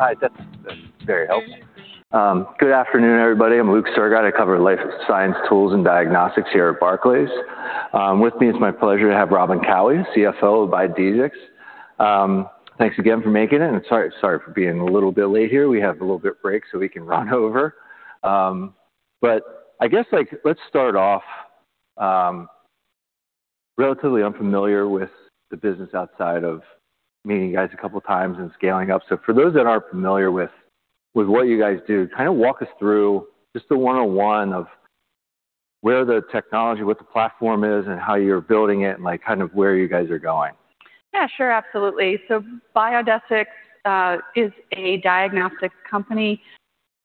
Hi, that's very helpful. Good afternoon, everybody. I'm Luke Sergott. I cover life science tools and diagnostics here at Barclays. With me, it's my pleasure to have Robin Cowie, CFO of Biodesix. Thanks again for making it, and sorry for being a little bit late here. We have a little bit of break, so we can run over. But I guess, like, let's start off, relatively unfamiliar with the business outside of meeting you guys a couple times and scaling up. For those that aren't familiar with what you guys do, kind of walk us through just the one-on-one of where the technology, what the platform is and how you're building it and, like, kind of where you guys are going. Yeah, sure. Absolutely. Biodesix is a diagnostic company.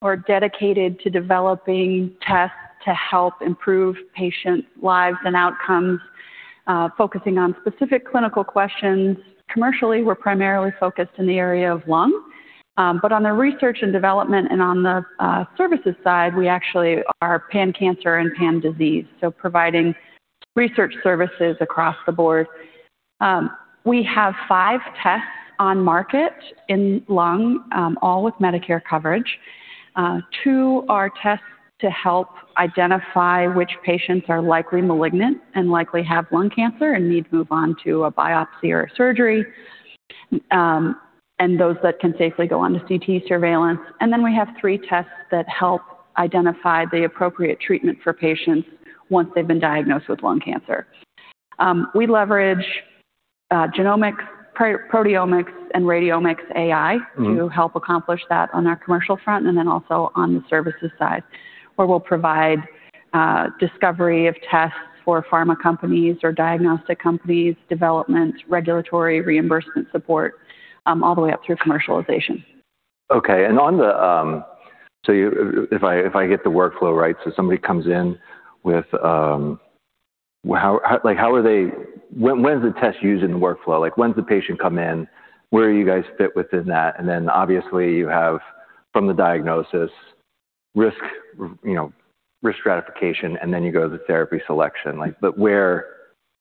We're dedicated to developing tests to help improve patient lives and outcomes, focusing on specific clinical questions. Commercially, we're primarily focused in the area of lung. On the research and development and on the services side, we actually are pan-cancer and pan-disease, so providing research services across the board. We have five tests on market in lung, all with Medicare coverage. Two are tests to help identify which patients are likely malignant and likely have lung cancer and need to move on to a biopsy or a surgery, and those that can safely go on to CT surveillance. We have three tests that help identify the appropriate treatment for patients once they've been diagnosed with lung cancer. We leverage genomics, proteomics and radiomics AI. To help accomplish that on our commercial front and then also on the services side, where we'll provide discovery of tests for pharma companies or diagnostic companies, development, regulatory reimbursement support, all the way up through commercialization. If I get the workflow right, so somebody comes in with. When is the test used in the workflow? Like, when does the patient come in? Where do you guys fit within that? Obviously you have from the diagnosis risk, you know, risk stratification, and then you go to the therapy selection. Like, but where,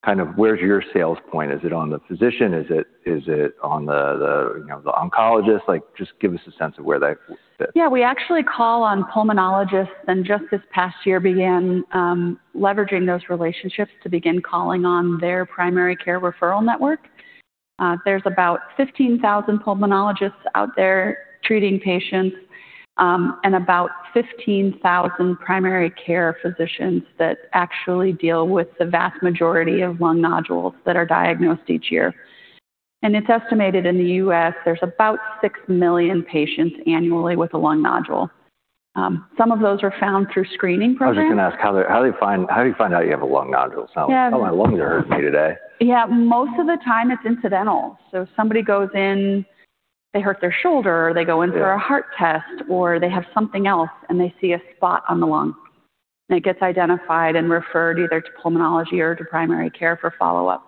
kind of where's your sales point? Is it on the physician? Is it on the, you know, the oncologist? Like, just give us a sense of where that fits. Yeah. We actually call on pulmonologists and just this past year began leveraging those relationships to begin calling on their primary care referral network. There's about 15,000 pulmonologists out there treating patients, and about 15,000 primary care physicians that actually deal with the vast majority of lung nodules that are diagnosed each year. It's estimated in the U.S. there's about 6 million patients annually with a lung nodule. Some of those are found through screening programs. I was just gonna ask, how do you find out you have a lung nodule? Yeah. It's not like, oh, my lungs are hurting me today. Yeah. Most of the time it's incidental. Somebody goes in, they hurt their shoulder, or they go in for. Yeah. A heart test, or they have something else, and they see a spot on the lung, and it gets identified and referred either to pulmonology or to primary care for follow-up.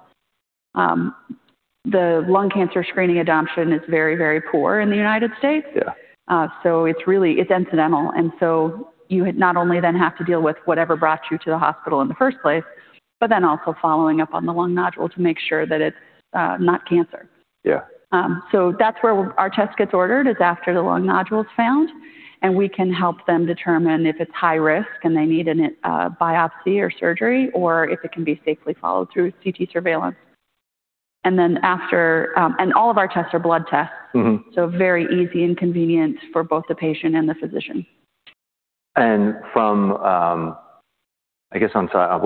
The lung cancer screening adoption is very, very poor in the United States. Yeah. It's really, it's incidental. You not only then have to deal with whatever brought you to the hospital in the first place, but then also following up on the lung nodule to make sure that it's not cancer. Yeah. That's where our test gets ordered, is after the lung nodule's found, and we can help them determine if it's high risk and they need a biopsy or surgery or if it can be safely followed through CT surveillance. All of our tests are blood tests. Very easy and convenient for both the patient and the physician. We'll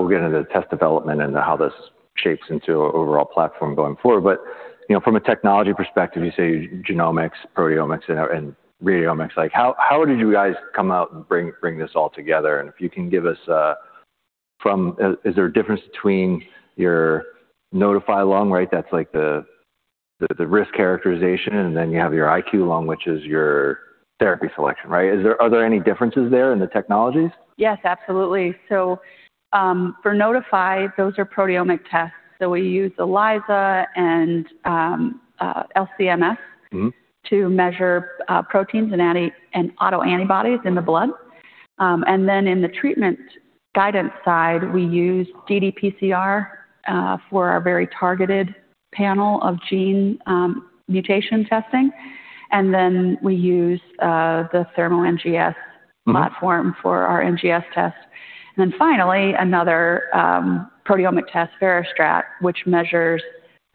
get into test development and how this shapes into an overall platform going forward. You know, from a technology perspective, you say genomics, proteomics and radiomics. Like, how did you guys come up and bring this all together? If you can give us. Is there a difference between your Nodify Lung, right? That's like the risk characterization, and then you have your IQLung, which is your therapy selection, right? Are there any differences there in the technologies? Yes, absolutely. For Nodify, those are proteomic tests. We use ELISA and LC-MS to measure proteins and autoantibodies in the blood. In the treatment guidance side, we use ddPCR for our very targeted panel of gene mutation testing. We use the Thermo NGS platform for our NGS test. Then finally, another proteomic test, VeriStrat, which measures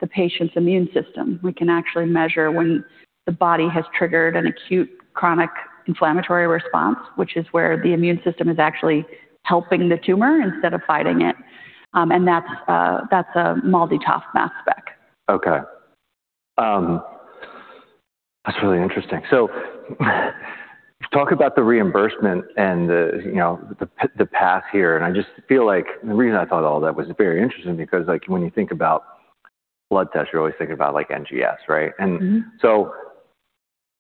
the patient's immune system. We can actually measure when the body has triggered an acute chronic inflammatory response, which is where the immune system is actually helping the tumor instead of fighting it. That's a MALDI-TOF mass spectrometry. Okay. That's really interesting. Talk about the reimbursement and the, you know, the path here. I just feel like the reason I thought all that was very interesting because, like, when you think about blood tests, you're always thinking about, like, NGS, right?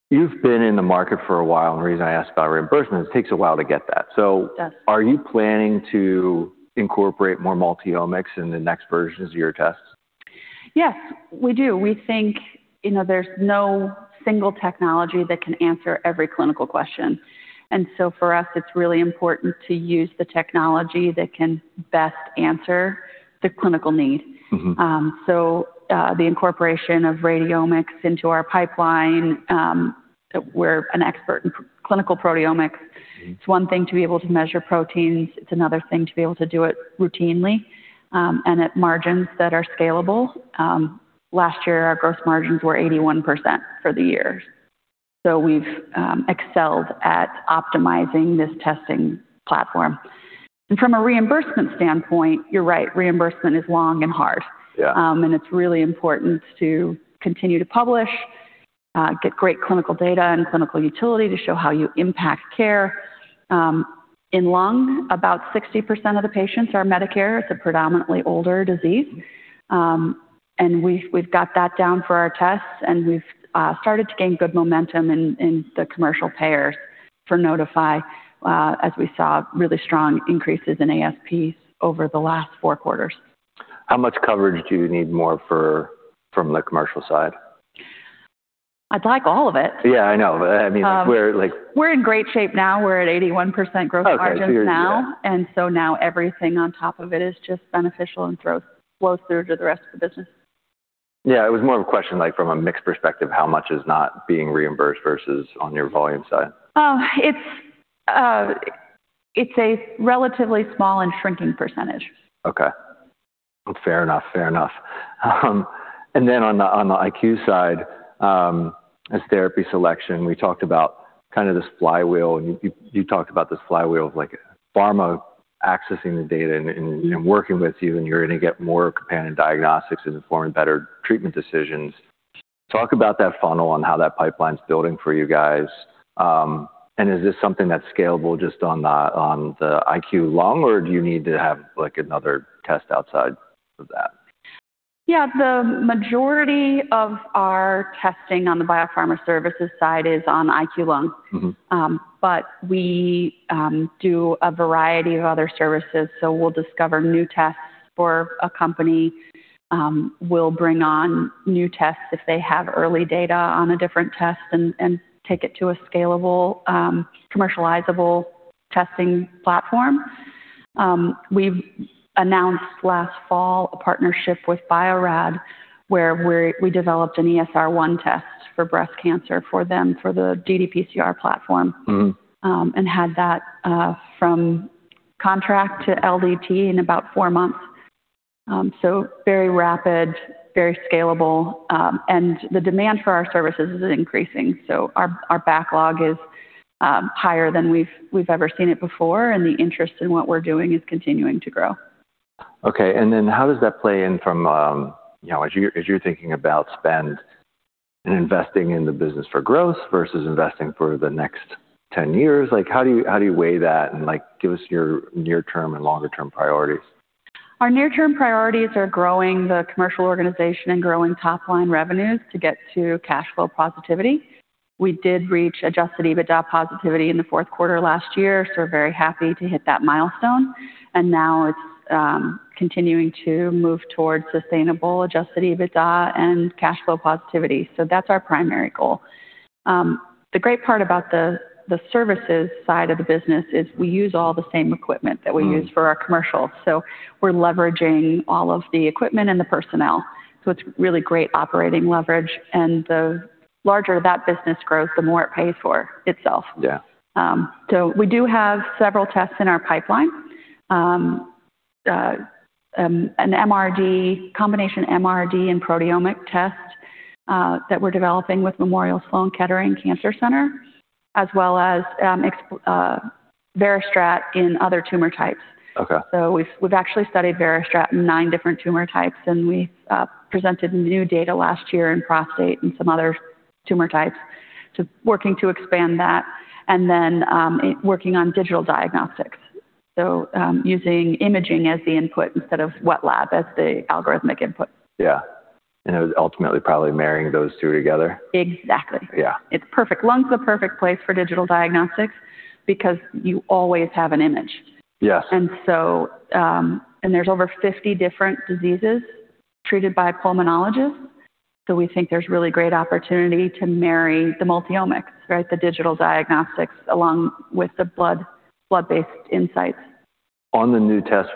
You've been in the market for a while, and the reason I ask about reimbursement is it takes a while to get that. Yes. Are you planning to incorporate more multi-omics in the next versions of your tests? Yes, we do. We think, you know, there's no single technology that can answer every clinical question. For us, it's really important to use the technology that can best answer the clinical need. The incorporation of radiomics into our pipeline, we're an expert in clinical proteomics. It's one thing to be able to measure proteins, it's another thing to be able to do it routinely, and at margins that are scalable. Last year, our gross margins were 81% for the year. We've excelled at optimizing this testing platform. From a reimbursement standpoint, you're right, reimbursement is long and hard. Yeah. It's really important to continue to publish, get great clinical data and clinical utility to show how you impact care. In lung, about 60% of the patients are Medicare. It's a predominantly older disease. We've got that down for our tests, and we've started to gain good momentum in the commercial payers for Nodify, as we saw really strong increases in ASP over the last four quarters. How much coverage do you need more from the commercial side? I'd like all of it. Yeah, I know. We're in great shape now. We're at 81% gross margins now. Okay. Clear. Yeah. Now everything on top of it is just beneficial and flows through to the rest of the business. Yeah. It was more of a question, like from a mixed perspective, how much is not being reimbursed versus on your volume side? Oh, it's a relatively small and shrinking percentage. Okay. Fair enough. And then on the IQLung side, as therapy selection, we talked about kind of this flywheel, and you talked about this flywheel of like pharma accessing the data and working with you, and you're gonna get more companion diagnostics informing better treatment decisions. Talk about that funnel and how that pipeline's building for you guys. Is this something that's scalable just on the IQLung, or do you need to have like another test outside of that? Yeah. The majority of our testing on the biopharma services side is on IQLung. We do a variety of other services, so we'll discover new tests for a company, we'll bring on new tests if they have early data on a different test and take it to a scalable, commercializable testing platform. We've announced last fall a partnership with Bio-Rad, where we developed an ESR1 test for breast cancer for them for the ddPCR platform had that from contract to LDT in about four months. Very rapid, very scalable. The demand for our services is increasing, so our backlog is higher than we've ever seen it before, and the interest in what we're doing is continuing to grow. Okay. How does that play in from, you know, as you're thinking about spend and investing in the business for growth versus investing for the next 10 years? Like, how do you weigh that and, like, give us your near term and longer term priorities? Our near term priorities are growing the commercial organization and growing top-line revenues to get to cash flow positivity. We did reach Adjusted EBITDA positivity in the fourth quarter last year, so we're very happy to hit that milestone. Now it's continuing to move towards sustainable Adjusted EBITDA and cash flow positivity. That's our primary goal. The great part about the services side of the business is we use all the same equipment that we use for our commercial, so we're leveraging all of the equipment and the personnel, so it's really great operating leverage. The larger that business grows, the more it pays for itself. Yeah. We do have several tests in our pipeline. An MRD combination MRD and proteomic test that we're developing with Memorial Sloan Kettering Cancer Center, as well as VeriStrat in other tumor types. Okay. We've actually studied VeriStrat in nine different tumor types, and we presented new data last year in prostate and some other tumor types, too, working to expand that and then working on digital diagnostics, using imaging as the input instead of wet lab as the algorithmic input. Yeah. It was ultimately probably marrying those two together. Exactly. Yeah. It's perfect. Lung's the perfect place for digital diagnostics because you always have an image. Yes. There's over 50 different diseases treated by a pulmonologist. We think there's really great opportunity to marry the multi-omics, right? The digital diagnostics along with the blood-based insights. On the new test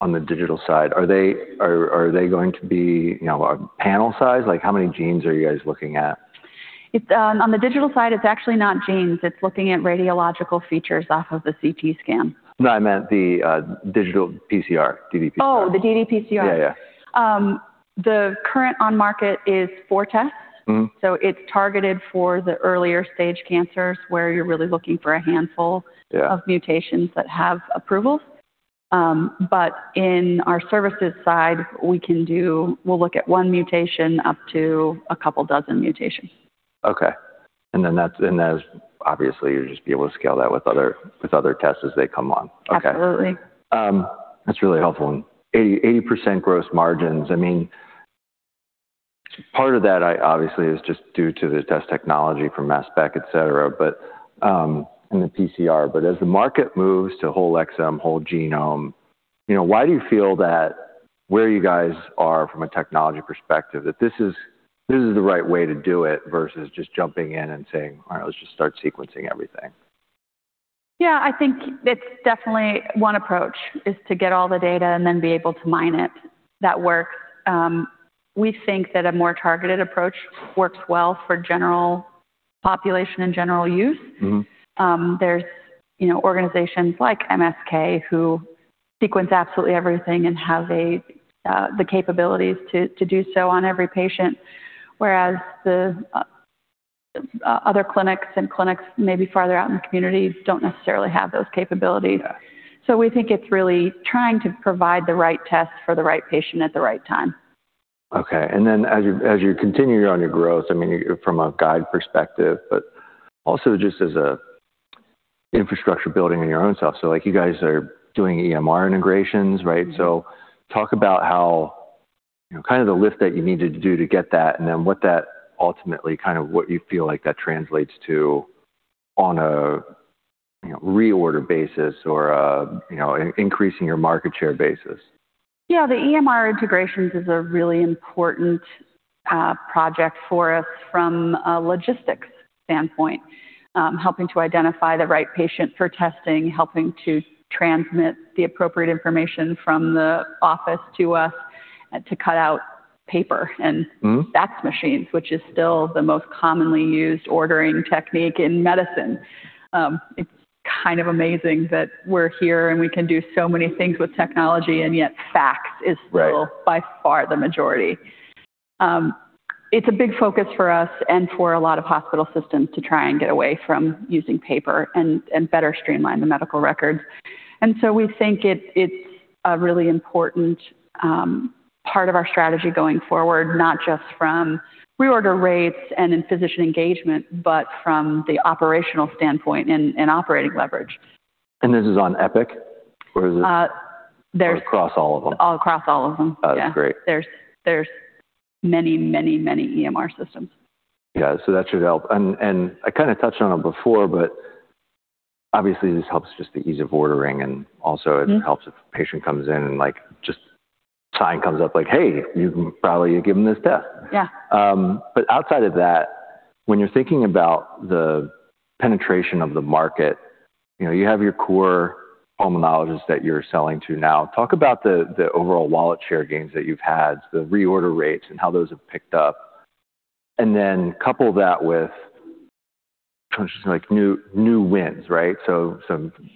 on the digital side, are they going to be, you know, panel size? Like, how many genes are you guys looking at? It's on the digital side, it's actually not genes. It's looking at radiological features off of the CT scan. No, I meant the digital PCR, ddPCR. Oh, the ddPCR. Yeah. Yeah. The current on market is four Tests. It's targeted for the earlier stage cancers where you're really looking for a handful. Yeah. Of mutations that have approvals. In our services side, we'll look at one mutation, up to a couple dozen mutations. Okay. That is obviously, you'll just be able to scale that with other tests as they come on. Okay. Absolutely. That's really helpful. 80% gross margins, I mean, part of that obviously is just due to the test technology from MassSpec, etc., in the PCR, but as the market moves to whole exome, whole genome, you know, why do you feel that where you guys are from a technology perspective, that this is the right way to do it versus just jumping in and saying, "All right, let's just start sequencing everything? Yeah. I think it's definitely one approach is to get all the data and then be able to mine it. We think that a more targeted approach works well for general population and general use. There's, you know, organizations like MSK who sequence absolutely everything and have the capabilities to do so on every patient, whereas the other clinics maybe farther out in the communities don't necessarily have those capabilities. We think it's really trying to provide the right test for the right patient at the right time. Okay. As you continue on your growth, I mean, from a guide perspective, but also just as a infrastructure building in your own stuff. Like, you guys are doing EMR integrations, right? Talk about how, you know, kind of the lift that you need to do to get that and then what that ultimately kind of what you feel like that translates to on a, you know, reorder basis or, you know, increasing your market share basis. Yeah. The EMR integrations is a really important project for us from a logistics standpoint, helping to identify the right patient for testing, helping to transmit the appropriate information from the office to us, to cut out paper. Fax machines, which is still the most commonly used ordering technique in medicine. It's kind of amazing that we're here and we can do so many things with technology, and yet fax is Right. Still by far the majority. It's a big focus for us and for a lot of hospital systems to try and get away from using paper and better streamline the medical records. We think it's a really important part of our strategy going forward, not just from reorder rates and in physician engagement, but from the operational standpoint and operating leverage. This is on Epic, or is it? Uh, there's. Across all of them? All across all of them. Oh, great. There's many EMR systems. Yeah. That should help. I kind of touched on it before, but obviously this helps just the ease of ordering and also. It helps if a patient comes in and, like, just a sign comes up like, Hey, you probably give them this test. Yeah. Outside of that, when you're thinking about the penetration of the market, you know, you have your core pulmonologists that you're selling to now. Talk about the overall wallet share gains that you've had, the reorder rates and how those have picked up. Then couple that with just, like, new wins, right? So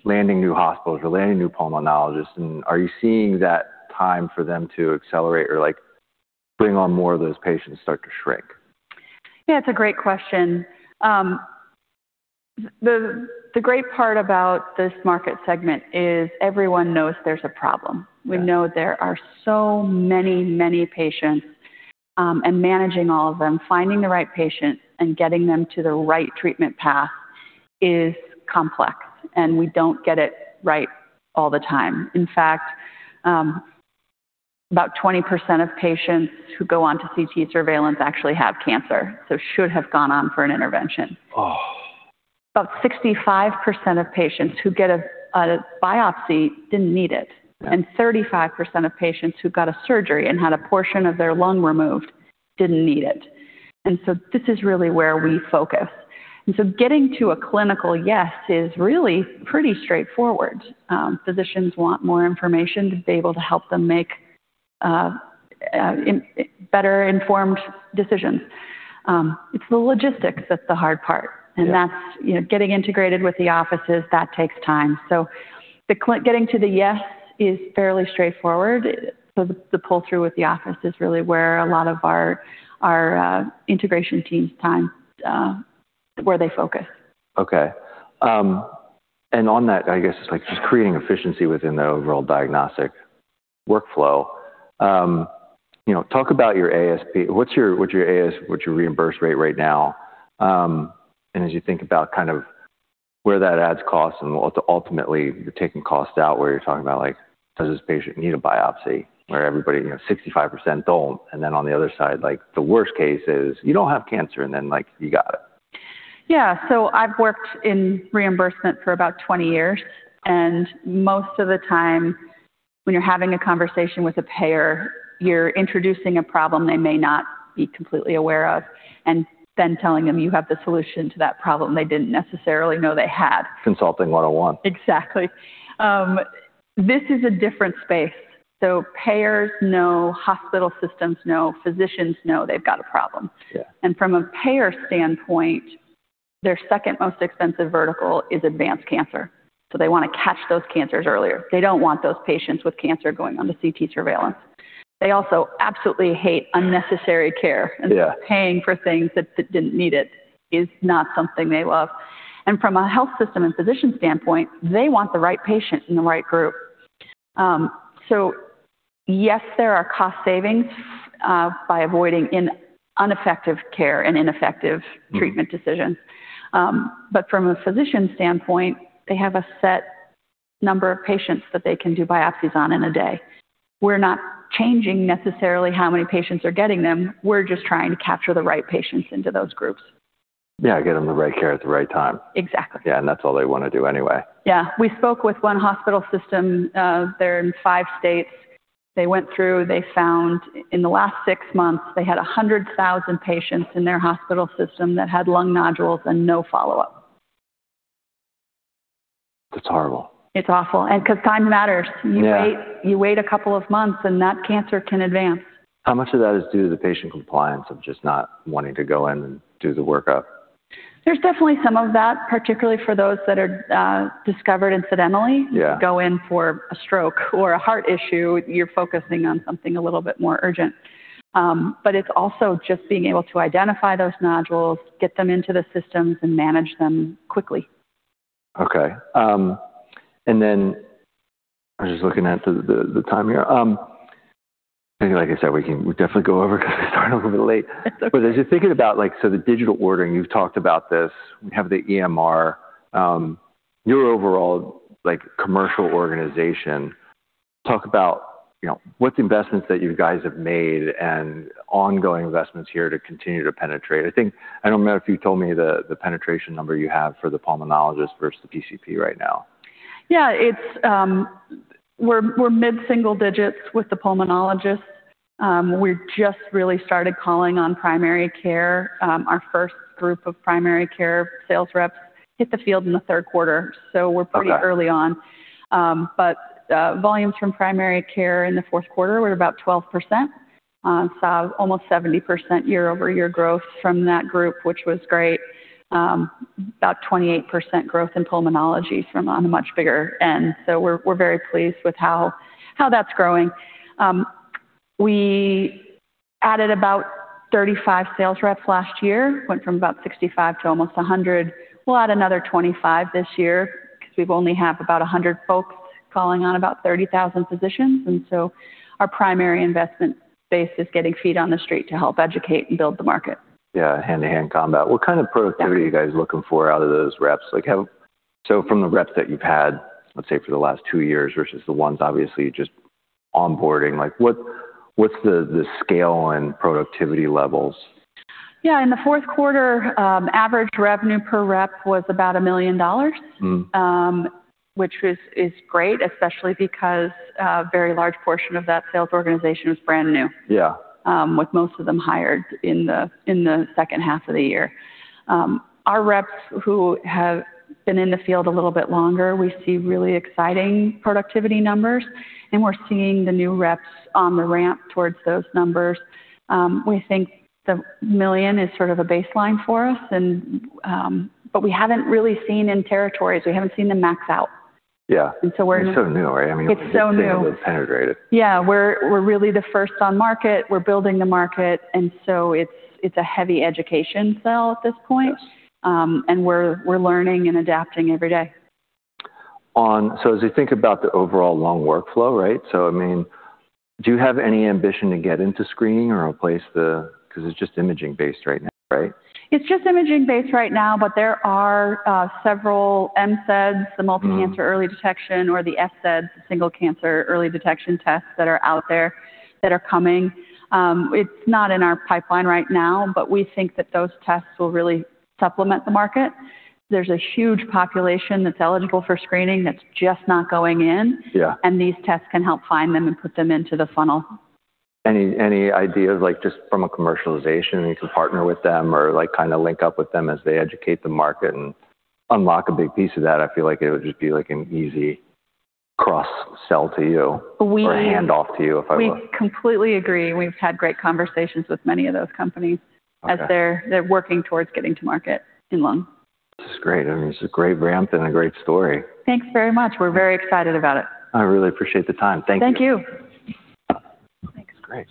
landing new hospitals or landing new pulmonologists, and are you seeing that time for them to accelerate or, like, bring on more of those patients start to shrink? Yeah, it's a great question. The great part about this market segment is everyone knows there's a problem. Yeah. We know there are so many, many patients, and managing all of them, finding the right patient and getting them to the right treatment path is complex, and we don't get it right all the time. In fact, about 20% of patients who go on to CT surveillance actually have cancer, so should have gone on for an intervention. Oh. About 65% of patients who get a biopsy didn't need it. Yeah. 35% of patients who got a surgery and had a portion of their lung removed didn't need it. This is really where we focus. Getting to a clinical yes is really pretty straightforward. Physicians want more information to be able to help them make better informed decisions. It's the logistics that's the hard part. Yeah. That's, you know, getting integrated with the offices, that takes time. Getting to the yes is fairly straightforward. The pull-through with the office is really where a lot of our integration team's time, where they focus. Okay. On that, I guess it's like just creating efficiency within the overall diagnostic workflow. You know, talk about your ASP. What's your reimbursed rate right now? As you think about kind of where that adds costs and ultimately you're taking costs out, where you're talking about, like, does this patient need a biopsy? Where everybody, you know, 65% don't. Then on the other side, like the worst case is you don't have cancer and then, like, you got it. Yeah. I've worked in reimbursement for about 20 years, and most of the time when you're having a conversation with a payer, you're introducing a problem they may not be completely aware of and then telling them you have the solution to that problem they didn't necessarily know they had. Consulting 101. Exactly. This is a different space. Payers know, hospital systems know, physicians know they've got a problem. Yeah. From a payer standpoint, their second most expensive vertical is advanced cancer. They wanna catch those cancers earlier. They don't want those patients with cancer going on to CT surveillance. They also absolutely hate unnecessary care. Yeah. Paying for things that didn't need it is not something they love. From a health system and physician standpoint, they want the right patient in the right group. Yes, there are cost savings by avoiding ineffective care and ineffective treatment decisions. From a physician standpoint, they have a set number of patients that they can do biopsies on in a day. We're not changing necessarily how many patients are getting them, we're just trying to capture the right patients into those groups. Yeah, get them the right care at the right time. Exactly. Yeah, that's all they wanna do anyway. Yeah. We spoke with one hospital system, they're in five states. They went through, they found in the last six months they had 100,000 patients in their hospital system that had lung nodules and no follow-up. That's horrible. It's awful. 'Cause time matters. Yeah. You wait a couple of months, and that cancer can advance. How much of that is due to the patient compliance of just not wanting to go in and do the workup? There's definitely some of that, particularly for those that are discovered incidentally. Yeah. You go in for a stroke or a heart issue, you're focusing on something a little bit more urgent. It's also just being able to identify those nodules, get them into the systems, and manage them quickly. Okay. Then I'm just looking at the time here. I think like I said, we'll definitely go over 'cause I started a little bit late. As you're thinking about like, so the digital ordering, you've talked about this, we have the EMR. Your overall like commercial organization, talk about, you know, what's the investments that you guys have made and ongoing investments here to continue to penetrate? I think, I don't know if you told me the penetration number you have for the pulmonologist versus the PCP right now. Yeah. It's, we're mid-single digits with the pulmonologist. We just really started calling on primary care. Our first group of primary care sales reps hit the field in the third quarter. Okay. We're pretty early on. Volumes from primary care in the fourth quarter were about 12%. Saw almost 70% year-over-year growth from that group, which was great. About 28% growth in pulmonology on a much bigger base. We're very pleased with how that's growing. We added about 35 sales reps last year. Went from about 65 to almost 100. We'll add another 25 this year 'cause we've only have about 100 folks calling on about 30,000 physicians. Our primary investment base is getting feet on the street to help educate and build the market. Yeah. Hand-to-hand combat. Yeah. What kind of productivity are you guys looking for out of those reps? From the reps that you've had, let's say for the last two years versus the ones obviously just onboarding, like what's the scale and productivity levels? Yeah. In the fourth quarter, average revenue per rep was about $1 million. Which is great, especially because a very large portion of that sales organization was brand new. Yeah. With most of them hired in the second half of the year. Our reps who have been in the field a little bit longer, we see really exciting productivity numbers, and we're seeing the new reps on the ramp towards those numbers. We think $1 million is sort of a baseline for us and we haven't really seen in territories, we haven't seen them max out. Yeah. And so we're. It's so new, right? I mean. It's so new. It's integrated. Yeah. We're really the first on market, we're building the market, and so it's a heavy education sell at this point. Yeah. We're learning and adapting every day. As you think about the overall lung workflow, right? I mean, do you have any ambition to get into screening or replace the 'Cause it's just imaging-based right now, right? It's just imaging-based right now, but there are several MCEDs, the Multi-Cancer Early Detection, or the SCEDs, Single-Cancer Early Detection tests that are out there that are coming. It's not in our pipeline right now, but we think that those tests will really supplement the market. There's a huge population that's eligible for screening that's just not going in. Yeah. These tests can help find them and put them into the funnel. Any ideas like just from a commercialization, you can partner with them or like kinda link up with them as they educate the market and unlock a big piece of that? I feel like it would just be like an easy cross sell to you. We. A hand off to you, if I would. We completely agree. We've had great conversations with many of those companies. Okay. As they're working towards getting to market in lung. This is great. I mean, this is a great ramp and a great story. Thanks very much. We're very excited about it. I really appreciate the time. Thank you. Thank you. Thanks. Great.